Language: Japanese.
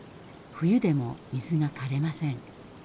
冬でも水がかれません。